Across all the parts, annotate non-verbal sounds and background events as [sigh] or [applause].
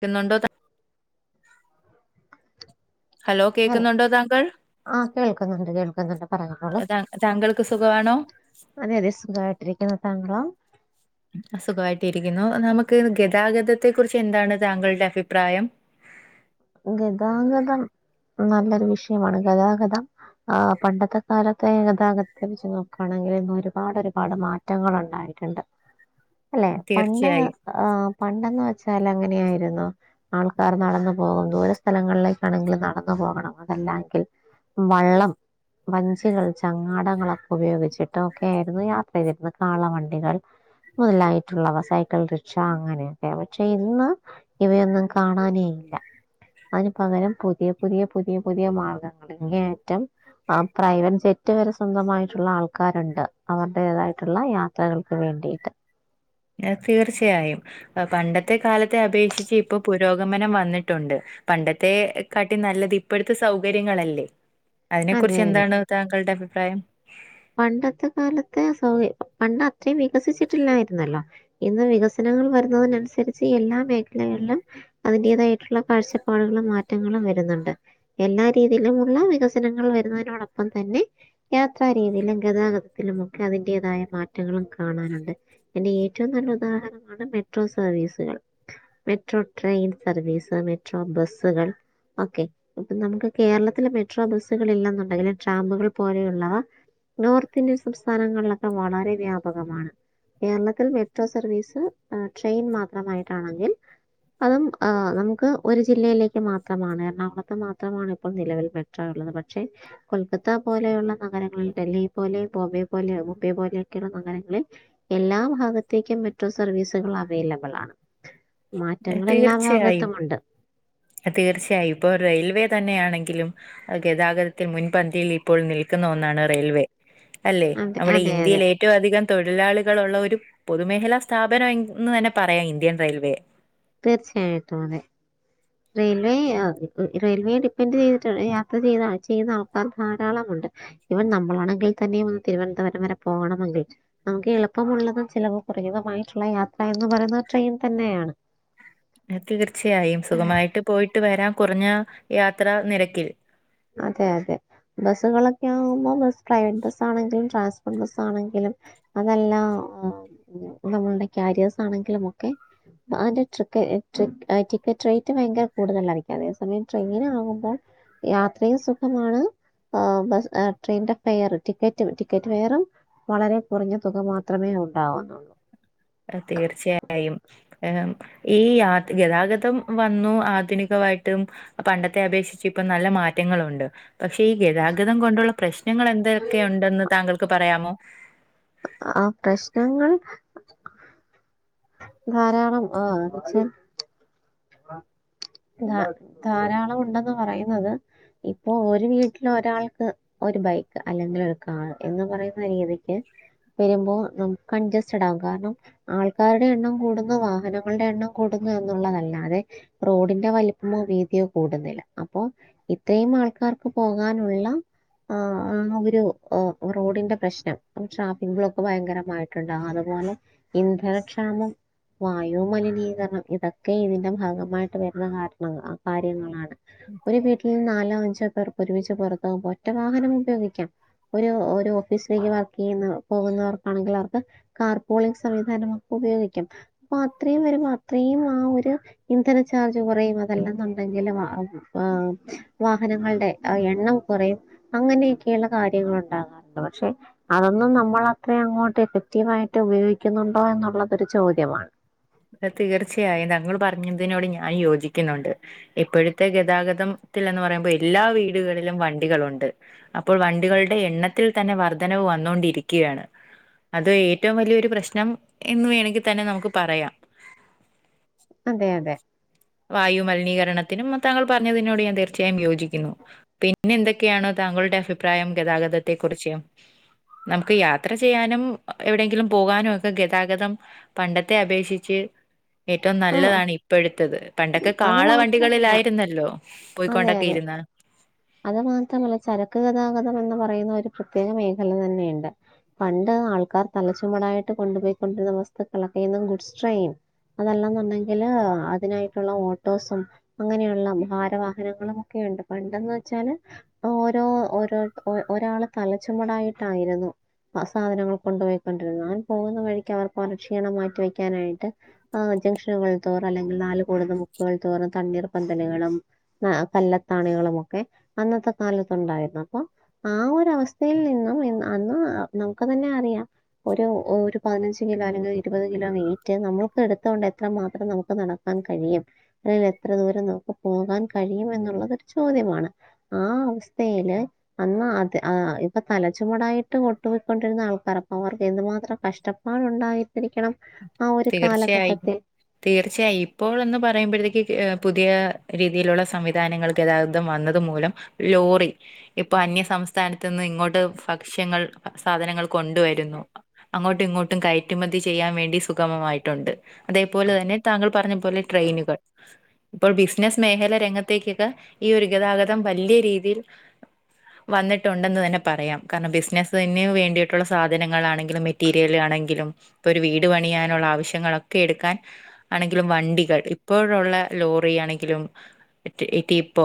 ട്ട് ന്നുണ്ടോ ത്ത ഹലോ കേക്കുന്നുണ്ടോ താങ്കൾ ആഹ് കേൾക്കുന്നുണ്ട് കേൾക്കുന്നുണ്ട് പറഞ്ഞോളു താ- താങ്കൾക്ക് സുഖമാണോ അതെ അതെ സുഖായിട്ടിരിക്കുന്നു താങ്കളോ അഹ് സുഖായിട്ടി ഇരിക്കുന്നു നമുക്ക് ഗതാഗതത്തെ കുറിച്ച് എന്താണ് താങ്കളുടെ അഭിപ്രായം ഗതാഗതം നല്ലൊരു വിഷയമാണ് ഗതാഗതം ആഹ് പണ്ടത്തെ കാലത്തെ ഗതാഗത്തെ വെച്ച് നോക്കാണെങ്കില് ഇന്ന് ഒരുപാട് ഒരുപാട് മാറ്റം മാറ്റങ്ങള് ഉണ്ടായിട്ടുണ്ട് അല്ലെ പണ്ട് തീർച്ചയായും പണ്ടെന്ന് വെച്ചാൽ അങ്ങനെയായിരുന്നു ആൾക്കാർ നടന്ന് പോ പോകുന്നു ദൂര സ്ഥലങ്ങളിലേക്കാണെങ്കിലും നടന്നു പോകണം അതല്ലാങ്കിൽ വള്ളം വഞ്ചികൾ ചങ്ങാടങ്ങളൊക്കെ ഉപയോഗിച്ചിട്ടു ഒക്കെ ആയിരുന്നു യാത്ര ചെയ്തിരുന്നത് കാളവണ്ടികൾ മുതലായിട്ടുള്ളവ സൈക്കിൾ റിക്ഷ അങ്ങനെയൊക്കെ പക്ഷെ ഇന്ന് ഇവയൊന്നും കാണാനേ ഇല്ല അതിന് പകരം പുതിയ പുതിയ പുതിയ പുതിയ മാർഗങ്ങള് ഇങ്ങേയറ്റം ആഹ് പ്രൈവൻ ജെറ്റ് വരെ സ്വന്തമായിട്ടുള്ള ആൾക്കാരുണ്ട് അവരുടേതായിട്ടുള്ള യാ ത്രകൾക്ക് വേണ്ടിയിട്ട് തീർച്ചയായും പണ്ടത്തെ കാലത്തെ അപേക്ഷിച്ച് ഇപ്പൊ പുരോഗമനം വന്നിട്ടുണ്ട് പണ്ടത്തെ കാട്ടി നല്ലത് ഇപ്പോഴത്തെ സൗകര്യങ്ങളല്ലേ അതിനെ അതെ കുറിച്ച് അതെ എന്താണ് താങ്കളുടെ അഭിപ്രായം പണ്ടത്തെ കാലത്തെ സൗക പണ്ട് അത്രയും വികസിച്ചിട്ടില്ലായിരുന്നല്ലോ ഇന്ന് വികസനങ്ങൾ വരുന്ന തിനനുസരിച്ച് എല്ലാ മേഖലകളിലും അതിന്റേതായിട്ടുള്ള കാഴ്ചപ്പാടുകളും മാറ്റങ്ങളും വരുന്നുണ്ട് എല്ലാ രീതിയിലുമുള്ള വികസനങ്ങൾ വരുന്നതിനോടൊപ്പം തന്നെ യാത്ര രീതിയിലും ഗതാഗതത്തിലുമൊക്കെ അതിൻ്റേതായ മാറ്റങ്ങളും കാണാനുണ്ട് എന്റെ ഏറ്റവും നല്ല ഉദാഹരണമാണ് മെട്രോ സർവീസുകൾ മെട്രോ ട്രെയിൻ സർവീസ് മെട്രോ ബസുകൾ ഓക്കെ ഇപ്പൊ നമുക്ക് കേരളത്തില് മെട്രോ ബസ്സുകൾ ഇല്ലെന്നുണ്ടെങ്കില് ട്രാമ്പുകൾ പോലെയുള്ളവ നോർത്ത് ഇന്ത്യൻ സംസ്ഥാനങ്ങളിലൊക്കെ വളരെ വ്യാപകമാണ് കേരളത്തിൽ മെട്രോ സർവീസ് ട്രെയിൻ മാത്രമായിട്ടാണെങ്കിൽ അതും നമ്മെക്ക് ഒരു ജില്ലയിലേക്ക് മാത്രമാണ്. എറണാകുളത്ത് മാത്രമാണ് ഇപ്പോൾ നിലവിൽ പെ ഷ്ടള്ളത്. പക്ഷെ കൊൽക്കത്ത പോലെയൊള്ള നഗരങ്ങളിൽ ഡൽഹി പോലെ, ബോംബെ പോലെയോ, മുംബൈ പോലെയോക്കെയുള്ള നഗരങ്ങളിൽ എല്ലാ ഭാഗത്തേക്കും മെട്രോ സർവീസുകൾ അവൈലബിളാണ്. ഏഹ് മാറ്റങ്ങളെല്ലാ തീർച്ചയായും ഭാഗത്തും ഒണ്ട്. തീർച്ചയായും. ഇപ്പൊ റെയിൽവേ തന്നെയാണെങ്കിലും ഗതാഗതത്തിൽ മുൻപന്തിയിൽ ഇപ്പോൾ നിൽ ഒന്നാണ് റെയിൽവേ. അല്ലേ അതെ നമ്മടെ അതെ അതെ ഇന്ത്യയിലേ ഏറ്റവും അധികം തൊഴിലാളികളുള്ള ഒരു പൊതുമേഖലാ സ്ഥാപനം എന്ന് തന്നെ പറയാ ഇന്ത്യൻ റെയിൽവേ തീർച്ചയായിട്ടും അതെ റെയിൽവേ റെയിൽവേ ഡിപ്പെൻന്റ് ചെയ്തിട്ട് യാത്ര ചെയ്ത ചെയ്ത ആൾക്കാറ് ധാരാളമുണ്ട് ഇവൻ നമ്മളാണെങ്കിൽ തന്നെയും ഒന്ന് തിരുവനന്തപുരം വരെ പോകണമല്ലേറ്റ്. നമ്മെക്ക് എളുപ്പമുള്ളതും ചെലവ് കൊറഞ്ഞതുമായിട്ടുള്ള യാത്ര എന്ന് പറയുന്നത് ട്രെയിൻ തന്നെയാണ്. അത് തീർച്ചയായും. സുഖമായിട്ട് പോയിട്ട് വെരാം കൊറെഞ്ഞ യാത്ര നിരക്കിൽ. അതെ അതെ ബസ്സുകളൊക്കെ ആമ്പോ ബസ്സ് ട്രയ്ൻ ബസ്സാണെങ്കിലും ട്രാൻസ്പോർട്ട് ബസ്സാണെങ്കിലും. അതെല്ലാം നമ്മെളുടെ ക്യാരിയാസ് ആണെങ്കിലും ഒക്കെ. അതിന്റെ ട്രിക്ക് ട്രി ടിക്കറ്റ് റേറ്റ് ഭയങ്കര കൂടുതലായിരിക്കും. അതേസമയം ട്രെയിനാകുമ്പോൾ. യാ ത്രയും സുഖമാണ്. ബസ് ട്രെയിന്റെ ഫെയറ് ടിക്കറ്റ്, ടിക്കറ്റ് ഫെയറും വളരെ കുറഞ്ഞ തുക മാത്രമേ ഉണ്ടാവുന്നുള്ളൂ. അത് തീർച്ചയായും. ഈ യാ ഗതാഗതം വന്നു ആധുനികവായിട്ടും. പണ്ടത്തെ അപേക്ഷിച്ച് ഇപ്പം നല്ല മാറ്റങ്ങളുണ്ട്. പക്ഷെ ഈ ഗതാഗതം കൊണ്ടുള്ള പ്രശ് നങ്ങൾ എന്തൊക്കെയൊണ്ടെന്ന് താങ്കൾക്ക് പറയാമോ? ആ പ്രശ്നങ്ങൾ ധാരാളം ആഹ് കൊറ്ച്ച് ധാരാളം ഉണ്ടെന്ന് പറയുന്നത്. ഇപ്പൊ ഒരു വീട്ടിലെ ഒരാൾക്ക്. ഒരു ബൈക്ക് അല്ലെങ്കിൽ ഒരു കാറ് എന്ന് പറയുന്ന രീതിക്ക്. വെരുമ്പോ നമ്മു കൺജസ്റ്റഡാകും കാരണം. ആൾക്കാരുടെ എണ്ണം കൂടുന്നു, വാഹനങ്ങളുടെ എണ്ണം കൂടുന്നു എന്നുള്ളതല്ല. അതെ റോഡിന്റെ വലിപ്പമോ വീതിയോ കൂടുന്നില്ല അപ്പൊ. ഇത്രയും ആൾക്കാർക്ക് പോകാനുള്ള ഓ ഓ ഒര് റോഡിന്റെ പ്രശ്നം ഒര് ട്രാഫിക് ബ്ലോക്ക് ഭയങ്കരമായിടൊണ്ട് ആ അതുപോലെ. ഇന്ധനക്ഷാമം, വായുമലിനീകരണം ഇതൊക്കെ ഇതിന്റെ ഭാഗമായിട്ട് വെരുന്ന കാര്യങ്ങളാ. ഒരു വീട്ടിൽ നാലോ അഞ്ചോ പേർ ഒരുമിച്ച് പൊറത്തു പോമ്പോ ഒറ്റ വാഹനം ഉപയോഗിക്കാം. ഒരു ഒരു ഓഫീസിലേക്ക് വർക്ക് ചെയ്യുന്ന പോകുന്നവർക്കാണെങ്കിൽ അവർക്ക് കാർപോളിക് സംവിധാനം ഒക്കെ ഉപയോഗിക്കാം അപ്പൊ അത്രയും വരുമ്പോ അത്രയും ആഹ് ഒരു. ഇന്ധന ചാർജ് കൊറയും അതല്ലെന്നുണ്ടെങ്കിൽ മാറണം. ആഹ് വാഹനങ്ങളുടെ ആഹ് എണ്ണം കൊറയും. അങ്ങനെയൊക്കെയുള്ള കാര്യങ്ങൾ ഉണ്ടാകാറുണ്ട് പക്ഷെ അതൊന്നും നമ്മൾ അത്രയും അങ്ങോട്ട് എഫക്റ്റീവായിട്ട് ഉപയോഗിക്കുന്നുണ്ടോ എന്നുള്ളതൊരു ചോദ്യമാണ്. തെ തീർച്ചയായും തങ്ങള് പറഞ്ഞതിനോട് ഞാൻ യോജിക്കുന്നൊണ്ട്. ഇപ്പഴത്തെ ഗതാഗതത്തിൽ എന്ന് പറയുമ്പോൾ എല്ലാ വീടുകളിലും വണ്ടികളൊണ്ട്. അപ്പോൾ വണ്ടികളുടെ എണ്ണത്തിൽ തന്നെ വർധനവ് വന്നോണ്ടിരിക്കയാണ്. അത് ഏറ്റവും വലിയൊരു പ്രശ്നം ഇന്ന് വേണമെങ്കിൽ തന്നെ നമ്മുക്ക് പറയാം. അതെ അതെ വായുമലിനീകരണത്തിനും താങ്കൾ പറഞ്ഞതിനോട് ഞാൻ തീർച്ചയായും യോജിക്കുന്നു. പിന്നെ എന്തൊക്കെയാണ് താങ്കളുടെ അഭിപ്രായം ഗതാഗതത്തെക്കുറിച്ച്? നമ്മുക്ക് യാത്ര ചെയ്യാനും എവിടെയെങ്കിലും പോകാനുക്കെ ഗതാഗതം. പണ്ടത്തെ അപേക്ഷിച്ച് ഏറ്റവും ആ നല്ലതാണ് ഇപ്പഴത്തത്. പണ്ടൊക്കെ അത് മാത്രമല്ല കാളവണ്ടികളിലായിരുന്നല്ലോ അതെ പോയ്ക്കൊണ്ടൊക്കെ അതെ ഇരുന്ന അത് മാത്രമല്ല ചരക്ക് ഗതാഗതം എന്ന് പറയുന്ന ഒരു പ്രത്യേക മേഖല തന്നെയുണ്ട് പണ്ട് ആൾക്കാർ തലച്ചുമടായിട്ട് കൊണ്ടുപോയിക്കൊണ്ടിരുന്ന അവസ്തുക്കളൊക്കെ ഇന്ന് ഗുഡ്സ് ട്രെയിൻ അതല്ലെന്നുണ്ടെങ്കില് അതിനായിട്ടുള്ള ഓട്ടോസും അങ്ങനെയുള്ള ഭാരവാഹനങ്ങളും ഒക്കെയുണ്ട് പണ്ടെന്ന് വെച്ചാല് ഓരോ ഓരോ ഒരാള് തലച്ചുമടായിട്ടായിരുന്നു സാധനങ്ങൾ കൊണ്ടുപോയിക്കൊണ്ടിരുന്നു അവൻ പോകുന്ന വഴിക്ക് അവർക്കവന്റെ ക്ഷീണം മാറ്റി വെക്കാനായിട്ട് ആഹ് ജംഗ്ഷനുകൾ തോറും അല്ലെങ്കിൽ നാല് കൂടുന്ന മുക്കുകൾ തോറും തണ്ണീർ പന്തലുകളും ആഹ് കല്ലത്താണികളുമൊക്കെ അന്നത്തെ കാലത്തുണ്ടായിരുന്നു അപ്പൊ ആഹ് ഒരവസ്ഥയിൽ നിന്നും അന്ന് നമുക്ക് തന്നെ അറിയാം ഒരു ഒരു പതിനഞ്ച് കിലോ അല്ലെങ്കിൽ ഇരുപത് കിലോ വെയ്റ്റ് നമ്മൾ ഇപ്പ എടുത്തോണ്ട് എത്ര മാത്രം നമുക്ക് നടക്കാൻ കഴിയും അല്ലേൽ എത്ര ദൂരം നമുക്ക് പോകാൻ കഴിയും എന്നുള്ളതൊരു ചോദ്യമാണ് ആഹ് അവസ്ഥയില് അന്നാ അത് ഇപ്പൊ തലച്ചുമടായിട്ട് ഒട്ടു പോയ്ക്കൊണ്ടിരുന്ന ആൾക്കാര അപ്പൊ അവർക്ക് എന്തുമാത്രം കഷ്ട അവന് ഉണ്ടായിട്ടിരിക്കണം ആഹ് ഒരു തീർച്ചയായും കാലഘട്ടത്തിൽ. തീർച്ചയായും ഇപ്പോൾ എന്ന് പറയുമ്പോഴത്തേക്ക് പുതിയ രീതിയിലുള്ള സംവിധാനങ്ങൾ ഗതാഗതം വന്നത് മൂലം ലോറി ഇപ്പൊ അന്യ സംസ്ഥാനത്തു നിന്ന് ഇങ്ങോട്ട് ഭക്ഷ്യങ്ങൾ സാധനങ്ങൾ കൊണ്ടുവരുന്നു അങ്ങോട്ടും ഇങ്ങോട്ടും കയറ്റുമതി ചെയ്യാൻ വേ ണ്ടി സുഖമമായിട്ടുണ്ട് അതേപോലെ തന്നെ താങ്കൾ പറഞ്ഞ പോലെ ട്രെയിനുകൾ ഇപ്പോൾ ബിസിനസ്സ് മേഖല രംഗത്തേക്കൊക്കെ ഈ ഒരു ഗതാഗതം വലിയ രീതിയിൽ വന്നിട്ടുണ്ടെന്ന് തന്നെ പറയാം കാരണം ബിസിനസ്സിന് വേണ്ടിയിട്ടുള്ള സാധനങ്ങളാണെങ്കിലും മെറ്റീരിയൽ ആണെങ്കിലും ഇപ്പൊ ഒരു വീട് പണിയാനുള്ള ആവശ്യങ്ങളൊക്കെ എടുക്കാൻ ആണെങ്കിലും വണ്ടികൾ ഇപ്പോഴുള്ള ലോറി ആണെങ്കിലും ടിപ്പോ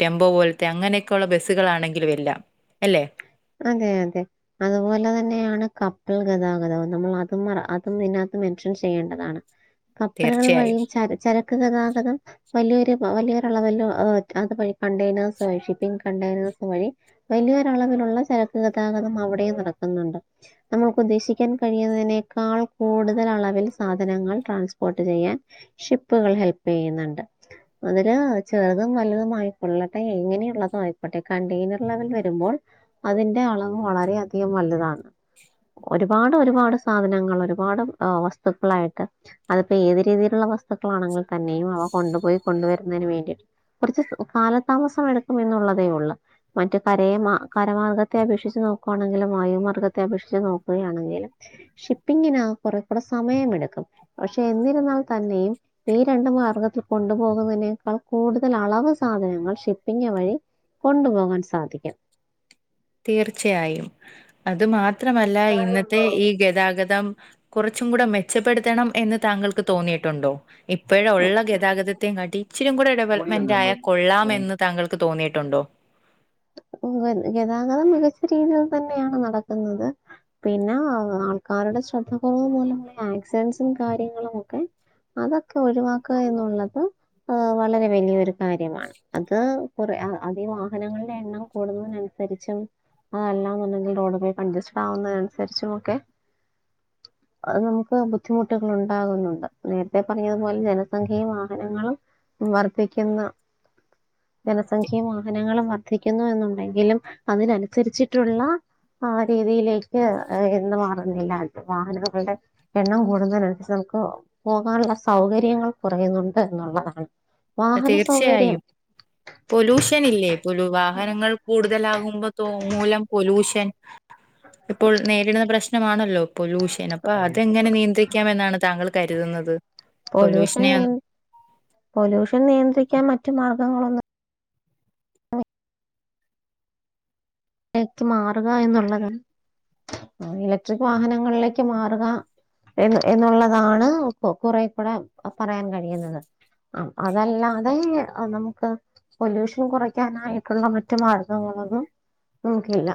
ടെമ്പോ പോലത്തെ അങ്ങനെയൊക്കെ ഉള്ള ബസ്സുകളാണെങ്കിലും എല്ലാം അല്ലെ അതെ അതെ അതുപോലെ തന്നെയാണ് കപ്പൽ ഗതാഗതവും നമ്മൾ അതും അതും ഇതിനകത്ത് മെൻഷൻ ചെയ്യേണ്ടതാണ് കപ്പലുകൾ തീർച്ചയായും വഴിയും ചര ചരക്ക് ഗതാഗതം വലിയൊരു വലിയൊരുളവൽ അതുവഴി കണ്ടൈനേഴ്സ് വഴി ഷിപ്പിങ് കണ്ടെയ്നേഴ്സ് വഴി വലിയൊരളവിലുള്ള ചരക്ക് ഗതാഗതം അവിടെയും നടക്കുന്നുണ്ട് നമുക്ക് ഉദ്ദേശിക്കാൻ കഴിയുന്നതിനേക്കാൾ കൂടുതൽ അളവിൽ സാധനങ്ങൾ ട്രാൻസ്പോർട്ട് ചെയ്യാൻ ഷിപ്പുകൾ ഹെല്പ് ചെയ്യുന്നുണ്ട് അതില് ചെറുതും വലുതും ആയിക്കൊള്ളട്ടെ എങ്ങനെയുള്ളതും ആയിക്കോട്ടെ കണ്ടെയ്നർ ലെവൽ വരുമ്പോൾ അതിന്റെ അളവ് വളരെ അധികം നല്ലതാണ് ഒര്പാട് ഒര പാട് സാധനങ്ങള് ഒര്പാട് വസ്തുക്കളായിട്ട് അത്പ്പെ ഏത് രീതിയില്ള്ള വസ്തുക്കളാണെങ്കിൽ തന്നെയും അവ കൊണ്ടുപോയി കൊണ്ടുവരുന്നതിന് വേണ്ടീട്ട് കൊർച്ച് കാലതാമസം എടുക്കും എന്നുള്ളതേ ഒള്ള് മറ്റ് കരേമാ കരമാർഗ്ഗത്തെ അപേക്ഷിച്ച് നോക്കുവാണെങ്കിലും വായുമാർഗ്ഗത്തെ അപേക്ഷിച്ച് നോക്ക്കയാണെങ്കിൽ ഷിപ്പിങ്ങിന് കൊറെ കൂടെ സമയംമെട്ക്കും പക്ഷെ എന്നിരുന്നാൽ തന്നെയും ഈ രണ്ട് മാർഗ്ഗത്തി കൊണ്ടുപോകുന്നതിനേക്കാൾ കൂട്തൽ അളവ് സാധനങ്ങൾ ഷിപ്പിംഗ് വഴി കൊണ്ടുപോകാൻ സാധിക്കും തീർച്ചയായും അത് മാത്രമല്ല ഇന്നത്തെ ഈ ഗെതാഗതം കുറച്ചും കൂടെ മെച്ചപ്പെടുത്തേണം എന്ന് താങ്കൾക്ക് തോന്നിയിട്ടുണ്ടോ ഇപ്പഴും ഒള്ള ഗതാഗതത്തേം കാട്ടി ഇച്ചിരിം കൂടെ തുണി എന്നാ ഡെവെലെപ്മെന്റായ മതി കൊള്ളാം ഉണങ്ങി എന്ന് താങ്കൾക്ക് തോന്നിയിട്ടുണ്ടോ ഗതാഗതം മികച്ച രീതിയിൽ തന്നെയാണ് നടക്ക്ന്നത് പിന്നെ ആൾക്കാരുടെ ശ്രദ്ധ ക്കുറവ് മൂലമുള്ള ആക്സിഡൻസും കാര്യങ്ങളും ഒക്കെ അതൊക്കെ ഒഴിവാക്കുക എന്നുള്ളത് ആഹ് വളരെ വലിയൊരു കാര്യമാണ് അത് കുറെ അതീ വാഹനങ്ങൾ എണ്ണം കൂടുന്നതിനനുസരിച്ചും അതല്ലാന്നുണ്ടെങ്കിൽ റോഡ് പോയി കൺജസ്റ്റഡാകുന്നതനുസരിച്ചു മൊക്കെ [inaudible] അത് നമുക്ക് ബുദ്ധിമുട്ടുകളുണ്ടാകുന്നുണ്ട് നേര്ത്തെ പറഞ്ഞതു പോലെ ജനസംഖ്യയും വാഹനങ്ങളും വർദ്ധിക്ക്യ്ന്ന ജനസംഖ്യയും വാഹനങ്ങളും വ ർധിക്കുന്നു എന്നുണ്ടെങ്കിലും അതിനനുസരിച്ചിട്ടുള്ള ആ രീതിയിലേക്ക് എന്ന് മാറുന്നില്ല അത് വാഹനങ്ങൾടെ എണ്ണം കൂടുന്നതിനൻസ്ച്ച് നമുക്ക് പോകാനുള്ള സൗകര്യങ്ങൾ കുറയുന്നുണ്ട് എന്നുള്ളതാണ് വാഹന സൗകര്യം തീർച്ചയായും പൊല്യൂഷന്ല്ലേ പെലു വാഹനങ്ങൾ കൂടുതലാകുമ്പോ തോ മൂലം പൊലൂഷൻ ഇപ്പോൾ നേരിട്ന്ന പ്രശ്നമാണല്ലോ പാെലൂഷൻ അപ്പൊ അതെങ്ങെനെ നിയന്ത്റി ക്കാമെന്നാണ് താങ്കൾ കര്ത്‌ന്നത് പാെലൂഷൻ നിയ പൊല്യൂഷൻ നിയന്ത്രിക്കാൻ മറ്റു മാർഗങ്ങളൊന്നും ക്ക് മാറുക എന്നുള്ളത് ഇലക്ട്രിക് വാഹനങ്ങളിലേക്ക് മാറുക എന്ന് എന്നുള്ളതാണ് കു കുറേ കൂടെ പറയാൻ കഴിയ്ന്നത് ആഹ് അതല്ലാതെ നമുക്ക് പൊലൂഷൻ കുറയ്ക്കാനായിട്ട്ള്ള മറ്റു മാർഗങ്ങളൊന്നും നോക്കീലാ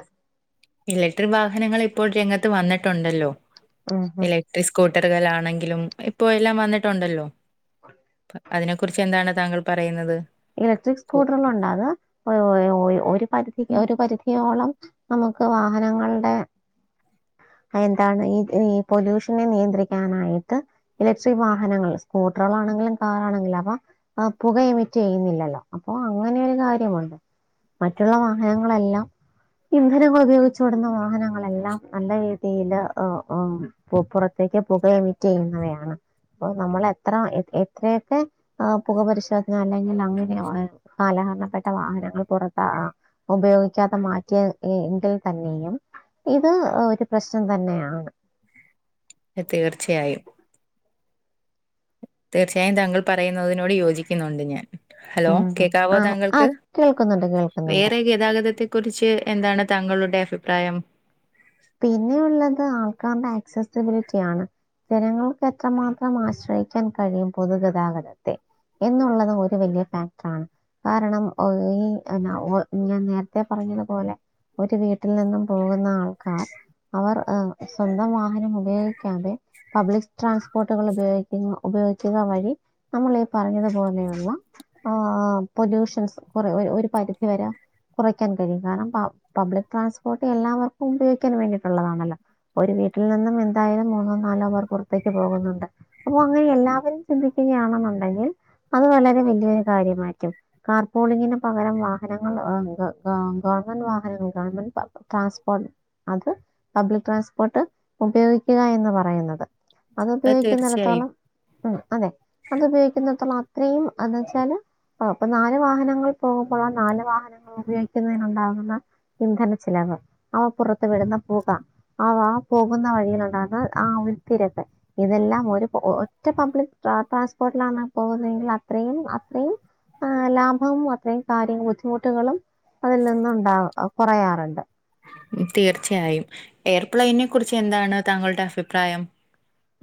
ഇലക്ട്രിക് വാഹനങ്ങളിപ്പോൾ രംഗത്ത് വന്നിട്ടുണ്ടല്ലോ ഉം ഉം ഇലെ ഇസ്കൂട്ടറ്കളാണെങ്കിലും ഇപ്പാെ എല്ലാം വന്നിട്ടുണ്ടല്ലോ അ [unintelligible] അതിനെ കുറിച്ച് എന്താണ് താങ്കൾ പറയ്ന്നത് ഇലക്ട്രിക് സ്കൂട്ടറ്കളുണ്ടാക ഒ ഒ ഒ ഒര് പരിധി ഒര് പരിധിയോളം നമുക്ക് വാഹനങ്ങൾടെ എന്താണ് ഈ ഈ പൊലൂഷനെ നിയന്ത്രിക്കാനായിട്ട് ഇലക്ട്രിക് വാഹനങ്ങള് സ്കൂട്ടറ്കളാണെങ്കിലും കാറാണെങ്കിലും അപ്പൊ അ പുകയും റ്റെയ്യ്ന്നില്ലല്ലോ അപ്പൊ അങ്ങനെയൊര് കാര്യമുണ്ട് മറ്റുള്ള വാഹനങ്ങളെല്ലാം ഇന്ധനങ്ങൾ ഉപയോഗിച്ചാേടുന്ന വാഹനങ്ങളെല്ലാം നല്ല രീ തിയില് ആഹ് ആഹ് പു പുറത്തേക്ക് പുകയാെമിറ്റെയ്യുന്നവയാണ് അപ്പം നമ്മളെത്ര എത്രെയെക്കെ ആ പുക പരിശോ അല്ലെങ്കിൽ അങ്ങനെ കാലഹരണപ്പെട്ട വാഹനങ്ങൾ പുറത്താ ഉപയോഗിക്കാതെ മാറ്റിയ എ എങ്കിൽ തന്നെയും ഇത് ഒരു പ്രശ്നം തന്നെയാണ് ത് തീർച്ചയായും തീർച്ചയായും താങ്കൾ പറയുന്നതിനോട് യോജിക്കുന്നുണ്ട് ഞാൻ ഹലോ ഉം. കേക്കാവോ ആ ആ താങ്കൾക്ക് കേൾക്കുന്നുണ്ട് കേൾക്കുന്നുണ്ട് വറെ ഗതാഗതത്തി കുറിച്ച് എന്താണ് താങ്ങളുടെ അഭിപ്രായം പിന്നെയള്ളത് ആൾക്കാരുടെ അക്സസിബിലിറ്റിയ ആണ് ജനങ്ങൾക്ക് എത്രമാത്രം ആശ്രയിക്കാൻ കഴിയും പൊതുഗതാഗതത്തെ എന്നുള്ളതും ഒരു വലിയ ഫാക്ടറണ് കാരണം ഈ ഞാൻ നേരത്തെ പറഞ്ഞതുപോലെ ഒരു വീട്ടിൽ നിന്നും പോകുന്ന ആൾ കാർ അവർ സ്വന്തം വാഹനം ഉപയോഗിക്കാതെ പബ്ലിക് ട്രാൻസ്പോർട്ടുകൾ ഉപയോഗിക്ക ഉപയോഗിക്കുക വഴി നമ്മൾ ഈ പറഞ്ഞതു പോലെയു ള്ള ആഹ് ആഹ് പൊല്യൂഷൻസ് കുറെ ഒരു പരിധി വരാ. കുറയ്ക്കാൻ കഴിയും കാരണം പ പബ്ലിക് ട്രാൻസ്പോർട്ട് എല്ലാവർക്കും ഉപയോഗിക്കാൻ വേണ്ടിട്ടുള്ളതാണല്ലോ. ഒരു വീട്ടിൽ നിന്നും എന്തായാലും മൂന്നോ നാലോ പേർക്ക് പുറത്തേക്ക് പോകുന്നുണ്ട്. അപ്പൊ അങ്ങനെ എല്ലാവരും ചിന്തിക്കുകയാണെന്നുണ്ടെങ്കിൽ അത് വളരെ വലിയൊരു കാര്യമായിരിക്കും കാർ പോളിങ്ങിന് പകരം വാഹനങ്ങൾ ആ ആ ഗവൺമെന്റ് വാഹനങ്ങൾ ഗവൺമെന്റ് ട്രാൻ അത് പബ്ലിക് ട്രാൻസ്പോർട്ട് ഉപയോഗിക്കുക എന്ന് പറയുന്നത്. അത് ഉപയോഗിക്കുന്നിടത്തോളം ഉം അതെ. അത് ഉപയോഗിക്കുന്നടത്തോളം അത്രയും എന്ന് വെച്ചാല്. അപ്പൊ നാല് വാഹനങ്ങൾ പോകുമ്പോൾ ആ നാല് വാഹനങ്ങൾ ഉപയോഗിക്കുന്നതിന് ഉണ്ടാകുന്ന ഇന്ധന ചിലവ് അവ പുറത്തു വിടുന്ന പുക ആ പോകുന്ന വഴിയിലുണ്ടന്ന് ആ ഒരു തിരക്കു ഇതെല്ലാം ഒരു ഒറ്റ പബ്ലിക് ട്രാൻസ്പോർട്ടിലാണ് പോകുന്നതെങ്കിൽ അത്രയും അത്രയും ആ ലാഭവും അത്രയും കാര്യ ബുദ്ധിമുട്ടുകളും അതിൽ നിന്നുണ്ടാ കുറയാറുണ്ട് തീർച്ചയായും എയർപ്ലൈയിനെ കുറിച്ച് എന്താണ് താങ്കളുടെ അഭിപ്രായം?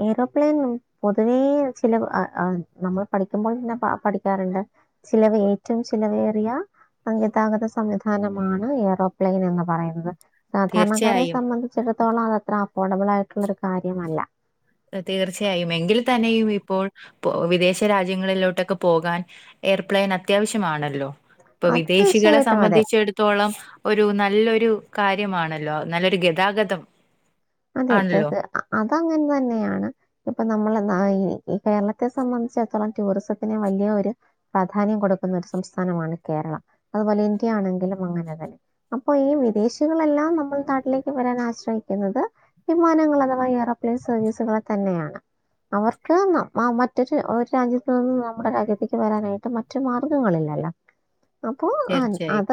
ഏറോപ്ലെയിൻ പൊതുവേ ചില ആ ആ നമ്മൾ പഠിക്കുമ്പോൾ തന്നെ പഠിക്കാറുണ്ട് ചിലവ ഏറ്റും ചിലവേറിയ ഗതാഗത സംവിധാനമാണ് ഏറോപ്ലെയിൻ എന്ന് പറയുന്നത് ഉം, സാധാരണക്കാരെ തീർച്ചയായും സംബന്ധിച്ചിടത്തോളം അത് അത്ര അഫോർഡബിളായിട്ടുള്ളൊരു കാര്യമല്ല. തീർച്ചയായും എങ്കിൽ തന്നെയും ഇപ്പോൾ, പ്പോ വിദേശ രാജ്യങ്ങളിലോട്ടൊക്കെ പോകാൻ എയർപ്ലൈയിൻ അത്യാവശ്യമാണല്ലോ? ഇപ്പൊ അത് വിദേശികളെ തീർച്ചയായിട്ടും അതെ സംബന്ധിച്ചടുത്ത് ത്തോളം ഒരു നല്ലൊരു കാര്യമാണല്ലോ നല്ലൊരു ഗതാഗതം, അതെ ആണല്ലോ. അതെത് അതങ്ങനെ തന്നെയാണ്. ഇപ്പ നമ്മൾ ആ കേരളത്തെ സംബന്ധിച്ചിടത്തോളം ടൂറിസത്തിന് വലിയ ഒരു പ്രാധാന്യം കൊടുക്കുന്ന ഒരു സംസ്ഥാനമാണ് കേരളം അതുപോലെ ഇന്ത്യ ആണെങ്കിലും അങ്ങനെ തന്നെ. അപ്പൊ ഈ വിദേശികളെല്ലാം നമ്മൾ നാട്ടിലേക്ക് വരാൻ ആശ്രയിക്കുന്നത് വിമാനങ്ങൾ അഥവാ എയറോപ്ലൈൻസ് സർവീസുകളെ തന്നെയാണ്. അവർക്ക് ന മറ്റൊരു ഒരു രാജ്യത്ത് നിന്നും നമ്മുടെ രാജ്യത്തേക്ക് വരാനായിട്ട് മറ്റു മാർഗ്ഗങ്ങളില്ലല്ലോ. ഉ [inaudible] അപ്പോ അത് അതൊ